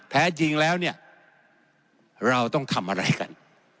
แท้จริงแล้วเนี่ยเราต้องทำอะไรกัน